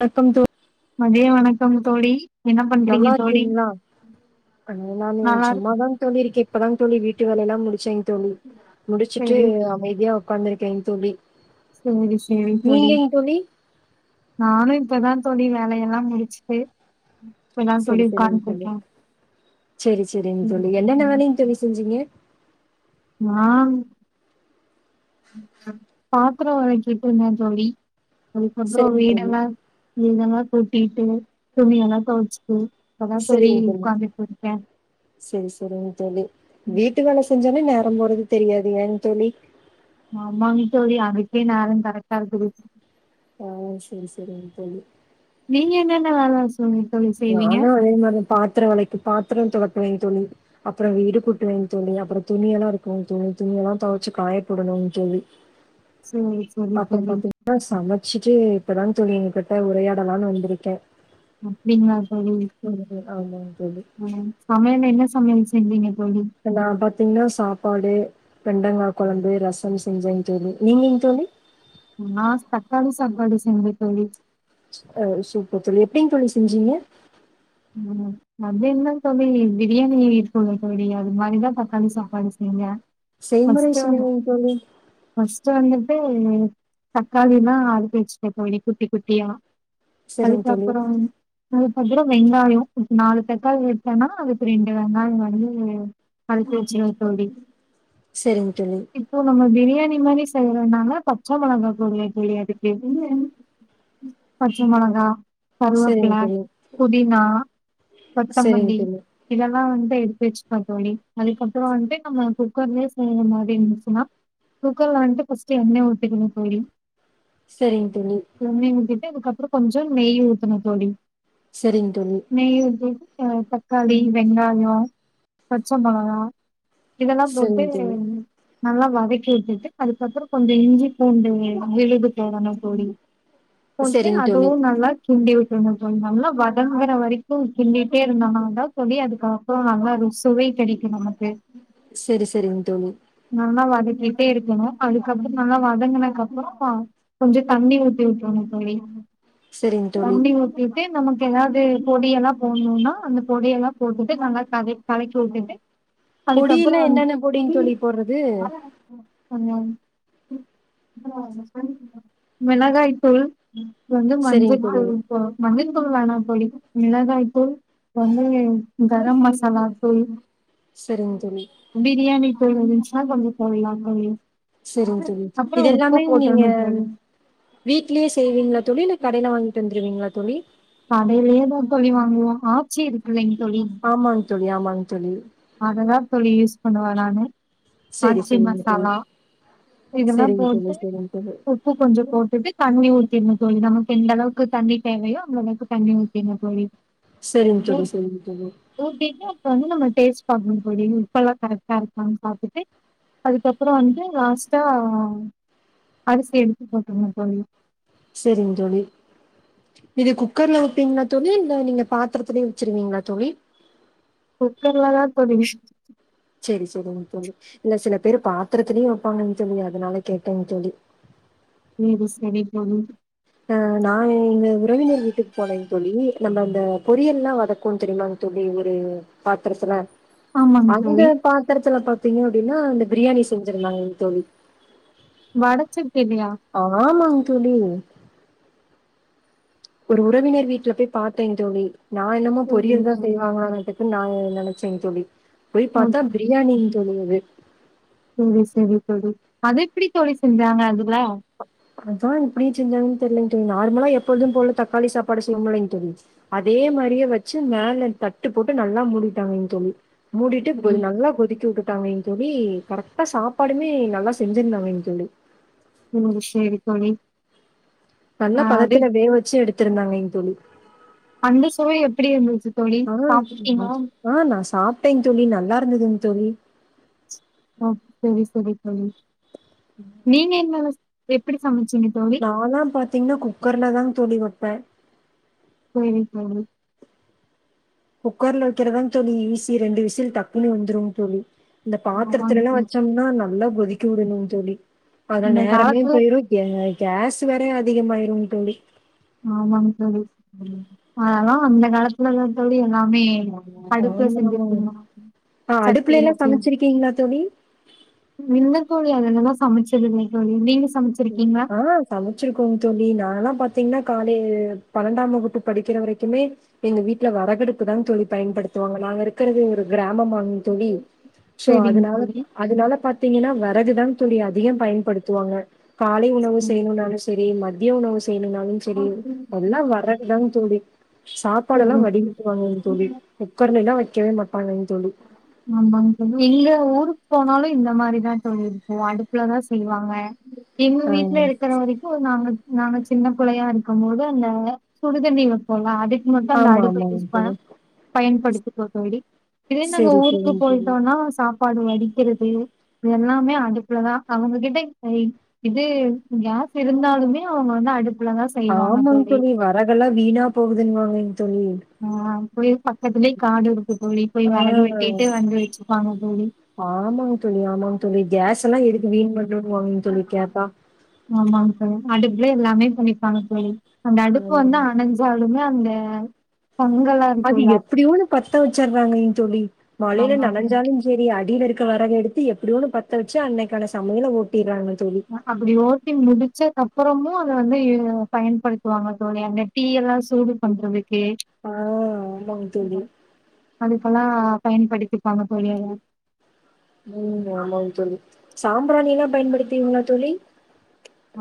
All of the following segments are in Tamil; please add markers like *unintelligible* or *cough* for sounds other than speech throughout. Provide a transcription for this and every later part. வணக்கம் தோ மதிய வணக்கம் தோழி என்ன பண்றீங்க நல்லா தோழி இருக்கங்களா அ நானு நல்லா இருக் சும்மாதாங்க தோலி இருக்கேன் இப்பதா தோலி வீட்டு வீட்டு வேலை எல்லாம் முடிச்சங்க தோலி முடிச்சுட்டு அமைதியா உட்கார்ந்திருக்கிங் தோலி செரிசரி தோலி தோழி? நானும் இப்பதான் தோலி வேல எல்லாம் முடிச்சுட்டு இப்பதா சரி தோழி சரிங்க தோலி உட்கார்ந்துருக்கே சரி சரிங்க தோலி என்னென்ன வேலயுக தோலி செஞ்சீங்க பாத்திரம் வளக்கிட்டு இருந்தன் தோலி சரி அதுக்கப்புரம் வீடெல்ல வீடெல்ல கூட்டிட்டு துணியல்லாம் தொவச்சுட்டு இப்பத தோலி சரிங் தோழி. உக்காந்திட்டுர்கே சரி சரிங்க தோலி வீட்டு வேல செஞ்ச ன்ன நேரம் போறது தெரியாது ஏன் தோலி அமாங்க தோலி அதுக்கே நேரம் கரக்ட ஓ சரி சரிங்க தோலி நீங்க என்னென்ன வேல தோழி ந செய்வீங்க தான் அதே மாதிரி பாத்திரம் வெளக்கி பாத்திரம் தொலக் *unintelligible* தோலி அப்புறம் வீடு குட்டுவேன்னு தோழி அப்புறம் துணியெல்லாம் இருக்குங்க துணி துணியெ எல்லா துவைச்சு காயப்படணும்னு தோழி சரி சரி பாத்ரம் தோழி பாத்தின சமைச்சு சு இப்பதான் தோழி உங்கிட்ட உரையாடலாம்னு வந்திருக்கேன் உம் அப்படிங்களா தோழி ஆமா உம் சமையல் என்ன சமையல் இல்லிங்க எல்லா பாத் தீங்கான சாப்பாடு பெண்டங்கா குழம்பு ரசம் செஞ்ச நா தச்காளி தக்காளி செஞ்சே தோழி அஹ சூப்பர் தோழி எப்படிங் தோழி செஞ்சீங்க உம் மதியான தோழி பிரியாணி இருக்குல்ல தோழி அது மாதிரிதான் தக்காளி சாப்பாடு செய்ங்க செய்முறை ஃபஸ்ட் வந் சொல்லுங்கங்க தோழி. ஃபஸ் ச வந்துட்டு தக்காளி எல்லாம் அறிஞ்சி வச்சுடுவே தோழி குட்டி குட்டியா சரிங்க தோழி. அதுக்கப்புறம் *unintelligible* அப்பறே வெங்காயம் நாலு தக்காளி வெட்டேன்னா அதுக்கு ரெண்டு வெங்காயம் வந்து அறிஞ்சி வச்சிடுவே தோழி சேரிங்க தோழி இப்போ நம்ம பிரியாணி மாரி செய்ற நாங்க பச்சை மொளகா *unintelligible* *unintelligible* பச்ச மொளகா கருவேப்பில சேரிங்க தோழி புதினா சரிங்க கொத்தமல்லி தோழி. இதெல்லாம் லாம் வந்துட்டு எடுத்து வச்சுக்கா தோழி அதுக்கப்புறம் வந்துட்டு நம்ம குக்கர்லயே செய்யற மாதிரி இருந்துச்சுன்னா குக்கர்ல வந்துட்டுஸ் பஸ்ட் எண்ணெய் ஊட்டுக்கணும் தோழி சேரிங்க தோழி அதுக்கப்புறம் கொஞ்சம் நெய் ஊத்தனும் தோழி சரிங்க தோழி ஆஹ தக்காளி வெங்காயம் பச்ச மொளகா இதெல்லாம் போட்டு சரிங்க தோழி. நல்லா வதக்கி விட்டுட்டு அதுக்கப்புறம் கொஞ்சம் இஞ்சி பூண்டு விழுது போடணும் தோழி போட்டு சரிங்க தோழி. அதுவும் நல்ல கிண்டி விட்டோன தோழி ந நல்லா வதங்கற வரைக் கும் கிண்டிகிட்டே இருந்தோம்னா தான் தோழி அதுக்கப்புறம் நல்லா ரு சுவை கிடைக்கும் நமக் சேரி சேரிங்க தோழி கிட்டே இருக்கணும் அதுக்கப்புறம் நல்லா வதங்கிருக்கனும் அப்புறம் கொஞ்சம் தண்ணி ஊத்தி விட்டணும் தோழி செரிங்க தோழி ட்ரு நமக்கு ஏதாவது பொடிய எல்லாம் போடணும்னா அந்த பொடிய எல்லா போட்டுது நாங்க க கலைக்கி விட்டுது பொடியல்லாம் என்னென்ன பொடிங் தோழி போடுறது கொஞ்சம் மிளகாய் தூள் வந்து சரிங்க தோழி. மஞ்தூள் பே மஞ்சத்தூள் வேணும் தோழி மிளகாய்தூள் வந்து கரம் மசாலாதூள் சரிங்க தோழி. பிரியாணி இருந்துச்சுன்னா கொஞ்சம் போடலாம் தோழி சேரிங்க தோழி அப்றோ உப்பு இததுெல்லாமே நீங்க போட்றனு தோழி வீட்லயே செய்வீங்களா தோழி இல்ல கடையில வாங்கிட்டு வந்துருவீங்களா தோழி கடையிலயே தான் தோழி வாங்குவோம் ஆச்சி இருக்குல்லைங்க ஆமாங் தோழி ஆமாங் தோழி அததான் தோழி யூஸ் பண்ணுவேன் நானு செரி ஆச்சி செரிங்க தோழி மசாலா இதெல்லாம் செரிங்க தோழி போட்டு செரிங்க தோழி உப்பு கொஞ்சம் போட்டுட்டு தண்ணி தண்ணி ஊத்தினு தோழி நமக்கு எந்தளவுக்கு தண்ணி தேவையோ அளவுக்கு தண்ணி ஊத்தினு தோழி சேரிங்க தோழி சேரிங்க தோழி இப்பா வந்து நம்ம டேஸ்ட் பாக்கும்போது உப்பல்லாம் கரெக்டா இருக்குத பாத்துட்டு அதுக்கப்புறம் வன்டு ராஸ் ஆஹ் அரிசி எடுத்து போட்டறனும் தோழி சேரிங்க தோழி இது குக்கர்ல வப்பீங்களா தோழி இல்ல நீங்க பாத்திரத்துலயே வச்சிருவீங்களா தோழி குக்கர்லதான் தோழி விஸ் சோரி சோரிங்கு தோழி இல்ல சில பேரு பாத்திரத்துலேயும் வைப்பாங்கன்னு தோழி அதனால கேட்டேன்னு தோழி சேரி சேரி தோழி அஹ் நா எங்க உறவினர் வீட்டுக்கு போனேங் தோழி நம்ம அந்த பொரியல் எல்லாம் வதக்குவாம் தெரியுமா தோழி ஒரு பாத்திரத்துல ஆமாங் தோழி அங்க பாத்திரத்துல பா பாத்தீங்கன்னா அப்பிடனா அந்த பிரியாணி செஞ்சிருந்தாங் தோழி வடச்சட் ஆமங் தோழி ஒரு உறவினர் வீட்ல போய் பாத்தே தோழி நா என்னமோ சேரிங்க பொரியல் தா தோழி செய்வாங்களானாட்டுக்கு நாங்க நெனச்சேங் தோழி போய் பாத்தா ஓகே பிரியாணிங் தோழி அது சேரி சேரி தோழி அது எப்டி தோழி செஞ்சாங்க அது அதா எப்டி செஞ்சாங்க தெரிலைங்க தோழி நார்மலா எப்பொழுதும் போல தக்காளி சாப்பாடு செய்வோமில்லெங் தோழி அதே மாரியே வச்சு மேல தட்டு போட்டு நல்லா மூடிட்டாங்க தோழி மூடிட்டு நல்லா கொதிக்க உட்டுட்டாங்க இங் தோழி கரெக்டா சாப்பாடுமே நல்லா செஞ்சிருந்தாங்கைங் தோழி உம் சேரி தோழி நல்ல ஆ அது பதத்துல வேக வச்சு எடுத் திருந்தாங்கைங் தோழி அந்த சுவை எப்டி இருந்துச்சு தோழி சாப்ட்ருகீங்களா ட்டேன் தோழி நல் லாருந்ததுங் தோழி ஆ செரி செரி தோழி நீங்க எங்கல எப்பிடி சமச் நா லா பாத் தீங்னா குக்கர்லதாங் தோழி வப்பே சேரி ‌தோழி குக்கர்ல வெக்கிறதாங் தோழி ஈசி ரெண்டு விசில் டக்குன்னு வெந்துருங் தோழி இந்த ஆமாங்க பாத்துரத்துலெல்லா தோழி வச்சம்னா நல்லா கொதிக்க விடணும் தோழி அதா இந்த நேரமே காலத்துல போயிரு கே கேஸ் வேற அதிகமாயிரும் தோழி ஆமாங்க தோழி அதல்லா அந்த காலத்துலதா தோழி எல்லா மே அடுப்புல ஆமா ஆமாங்க செஞ்சுட்ருந்தோ ஆ சட்டி அடுப்புலல்லா வச்சு சமைச்சிருக்கீங்களா தோழி இல்ல தோழி அதுலதா சமச்சதில்ல தோழி நீங்க சமைச்சிருக்கீங்களா ஆ சமச்சிருக்கோங் தோழி நாங்கல்லா பாத்தீங்னா காலே பன்னெண்டாம் வகுப்பு படிக்கிற வரைக்குமே எங்க வீட்ல வறகடுப்பு தாங் தோழி பயன்படுத்துவாங்க நாங்க இருக்குறது ஒரு கிராமமாங் தோழி சோ சரிங்க அதுனால தோழி அதுனால பாத் தீங்கன்னா வ அது தான் தோழி அதிகம் பயன்படுத்துவாங்க காலை உணவு செய்யணும்னாலும் சேரி ம தியும் உணவு செ செய்யணும்னாலும் சேரி அதல்லாம் வறதுதான்னு தோழி சாப்பாடுயெல்லாம் வடிக்கட்டு வாங்கங் தோழி குக்கார் எல்லாம் ஆமாங்க இல்ல ஊரு போனாலும் இந்த மாரி தான் தோழி இருக்கும் அடுப்புல தான் செய்வாங்க கா எங்க ஆ வீட்டுல இருக்கிற வரைக்கும் நாங்க நாங்க சின்ன புள்ளயா இருக்கும் போது அந்த சுடுதண்ணி வெப்பம்ல்ல அது மட்டும் அந்த ஆமா, அடுப்ப ஆமாங்க யூஸ் ப தோழி. பயன்படுத் ப்ப தோழி திடீர் நாங்க சரி, ஊருக்கு சரிங்க தோழி. போயிட்டோம்னா சாப் சப்பாடு வடிக்கிறது இத எல்லாமே அடுப்புலதான் அவுங்க கிட்ட அ இது கேஸ் இருந்தாலுமே அவுங்க வந்து அடுப் ஆமாங்க தோழி வெரகெல்லாம் வீணா போகுதுன்னுவாங்க தோழி ஆஹ் போய் பக்கத்துலயே காடு இருக்கு தோழி போய் ஆ வரகு வெட்டுட்டு வந்து வச்சுப்பாங்க தோழி ஆமாங்க தோழி, ஆமாங்க தோழி. கேஸ் எல்லாம் எதுக்கு வீண் பண்ணணும்னுவாங்கங்க தோழி கேட்டா. ஆமாம் தோழி அடுப்புல எல்லாமே பண்ணி ஆமாம் தோழி அந்த ஆ. அடுப்பு வந்து அனஞ்ச சாலுமே அந்த பொங்கலா அது இருக்குல்ல எப்படியோ ஒன்னு பத்த வச்சடுறாங்கங் தோழி மழையில ஆமாங்க நனைைஞ்சாலும் சேரி அடியில இருக்க வெரவ எடுத்து எப் எப்படியோ ஒன்னு பத்த வச்சு அன்னைக்கான சமையல ஓட்டிற்றாங்க ஆமா அப்படி ஓட்டிங் முடிச்ச கப் அப்புறமும் அத வந்து இவக பயன்படுத்துவாங்க தோழி அந்த டீ எல்லாம் சூடு பண்றது கே ஆ ஆமாங் தோழி. அது இப்பலாம் பயன்படுத்திப்பாங்க தோழி அத உம் ஆமாங்க தோழி சாம்பிரானில்லாம் பயன்படுத்துவீங்களா தோழி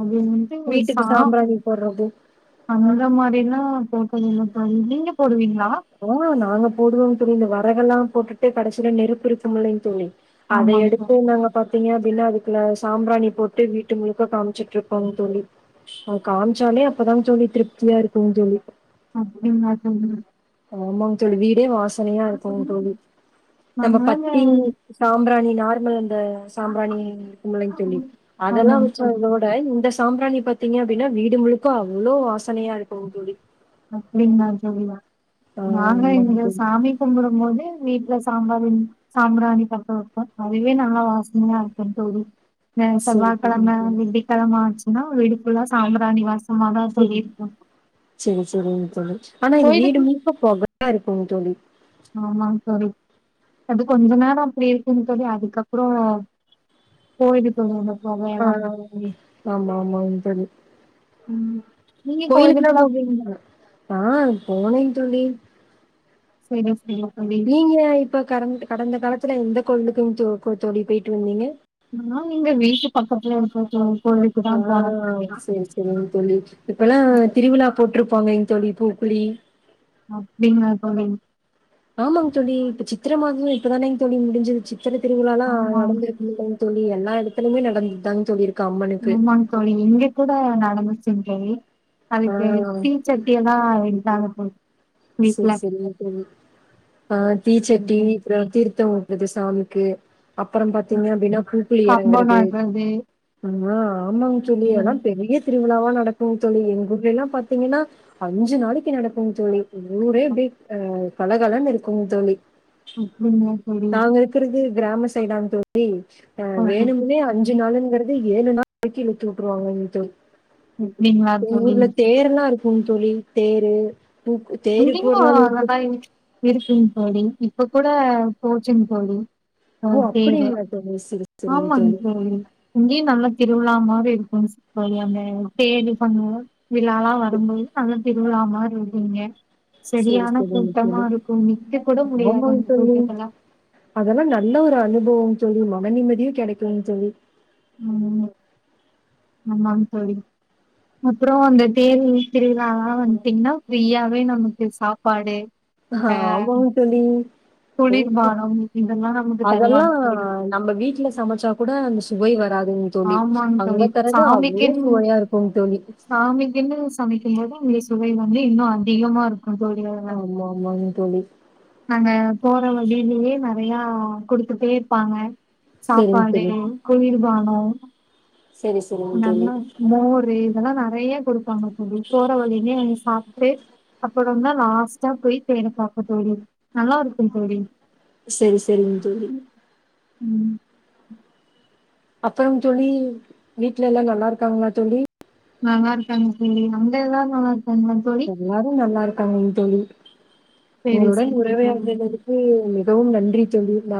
அது வந்து ஒரு வீட்டுக்கு சாப் சாம்பிராணி போட்றது. அந்த மாதிரிலாம் போட்டதுல்ல தோழி நீங்க போடுவீங்களா ஆஹ் நாங்க போடுவோம் தோழி இந்த வ விறகெல்லாம் போட்டுட்டு கடைசியில நெருப்பிருக்கும் இல்லங் தோழி அத ஆமாங்க எடுத்து தோழி நாங்க பா பாத்ங்க அப்படின்னு அதுக்குல சாம்ராணி போட்டு வீட்டு முழுக்க காமிச்சிட்டு இருப்போங் தோழி அது காமிச்சாலே அப்பதான் தோழி திருப்தியா இருக்கும் தோழி அப்படிங்ளா தோழி ஆமாங்க தோழி வீட் வாசனையா இருக்கும் தோழி நம்ம நாங்களாங்க பத்தி சாம்பிராணி நார்மல் அந்த சாம்பிராணி இருக்கும்லங்க தோழி அதெல்லாம் ஆமாங்க வச்ச தோழி அதோட இந்த சாம்பிராணி பாத்தீங்க அப்படின்னா வீடு முழுக்கக அவ்வளவோ வாசனையா இருக்கும் தோழி அப்படின் நான் சொல்வ ஆ நாங்க ஆமாங்க இங்க தோழி சாமி கும்பிடும் போது வீட்டு்ல சாம்பாரிணி சாம்பிராணி பத்த வைப்போம் அதுவே நல்ல வாசனையா இருக்கும் தோழி ந செவ்வா சரி சரிங்க கெழம வெள்ளி கெழம வீடு ஃபுல்லா சம்பராாணிவாசம் ஆமாங்க தோழி செரிங் ல்ல ஆனா இது வீடு கோயிலுக்கு முலுக்க பொகைய யா இருக்கோ தோழி ஆமாங்க தோழி அது கொஞ்சோ நேரம் அப்டி இருக்குன்னு தோழி அதுக்கப்பறோ போயிடும் தோழி பொகையெல்லா ஆஹ் ஆமா ஆமாங்க தோழி ம் நீங்க கோயிலுக்கு எல்லா கோயிலுக்குல்லா போவிங்கலா ஆஹ் போ ஆமாங்க தோழி *unintelligible* நீங்க இப்ப கடந்த கடந்த காலத்துல எந்த கோவிலுக்கு தோழி த்தோழி போயிட்டு வந்தீங்க நா எங்க வீட்டு பக்கத்துல இருக்க கோ கோயிலுக்குதா போனோ ஆஹ் தோழி செரி செரிங்க தோழி இப்பல்லா திருவிழா போட்டிருப்பாங்க தோழி பூக்குளி அப்டிங்களா தோழி ஆமாங்க தோழி இப்ப சித்திர மாதமே இப்பதானேங்க தோழி முடிஞ்சது பிரச்சன திருவிழாலா ஆமா நடந்திருக்கமல்ல தோழி எல்லா எடுத்து *unintelligible* ஆமாங்க தோழி இங்க கூட நடந் செரிங்க தோழி ஆ அதுக்கு தீசட்டி எல்லா எடுத்தா ஆம் செரி செரி தோழி ஆஹ் தீச்சட்டி அப்பறோ தீர்த்தொ இந்த சாமிக்கு அப்பறோ பாத்தீங்கன்னா வீனா பூக்குளி கம்போ இறங்குறது நட்றது ஆமா ஆமாங்க தோழி எல்லா அப்டிங்களா பெரிய திருவிழாவா நடக்குங்க தோழி எங்கூர்லலா பாத்தீங்கன்னா அஞ்சு நாளைக்கு நடக்கும்ங்க தோழி ஊரே அ பழகலன்னு இருக்கு தோழி தோழி நாங்க இருக்கிறது கிராம சைடா *unintelligible* அஹ் வேணுமுனே அஞ்சு நாளுங்கிறது ஏழு நாள் வரைக்கி இழுத்து விட்ருவாங்க அப்டிங்களா *unintelligible* தோழி எங்கூர்ல தேர்ல்லா இருக் கும் தோழி தேரு பூக் இங்கயு அதெல்லா இருக்குங் தோழி இப்ப கூட போச்சுங் தோழி ஆ ஓ தேரு அப்படிங்களா தோழி சரி சரிங்க ஆமாங் தோழி இங்கயு நல்லா திருவிழா மாரி *unintelligible* பண்ணுவோ விழாலா வரும்போது நல்ல திருவிழா மாரி இருக்கு இங்க செரி செரியான செரிங்க கூட்டமா தோழி நிக்க கூட முடியாது ஆமாங் அந்த தோழி கூட்டத்துல அதெல்லா நல்ல ஒரு அனுபவோ தோழி மனநிம்மதியு கெடைக்குங் தோழி உம் ஆமாங் தோழி அப்றோ அந்த தேரு திருவிழால வந்துட்டீங்கனா ஃப்ரீயாவே நமக்கு சாப்பாடு அஹ ஆமாங் தோழி தூக்கம் குளிர்பானம் இதெல்லா நமக்கு அதெல்லா தருவாங்க தோழி நம்ம வீட்ல சமைச்சா கூட அந்த சுவை வராதுங் தோழி அங்க தர சாமிக்கின் சாமிக்கின்னு சமை க்கிறதனாலதா சுவை வந்து இன்னு அதிகமா இருக் கு தோழி அதுல ஆமா ஆமாங்க தோழி நானு போற வழிலயே நெறையா குடுத்துட்டே இருப்பாங்க சரிங்க சாப்பாடு தோழி குளிர்பா னோ செரி ப்ப செரிங்க தோழி நல்லா மோரு இதல்லா நெறைய குடுப்பாங்க அப்டி போற வழிலேயே நின்னு சாப் ட்டு அப்பறந்தா லாஸ்ட்டா போய் தேர பாப்போ தோழி நல்லா இருக்கு தோழி செரி செரிங் தோழி உம் அப்புறங் தோழி வீட்லல்லா நல்லா இருக்காங்களா தோழி நல்லா இருக்காங்க தோழி அங்கெல்லா நல்லா இருக் எல்லாரு நல்லா இருக் காங்க தோழி சேரி உங்களுடன் சேரி தோழி உரையாடியதுக்கு மிகவும் நன்றி தோழி மறு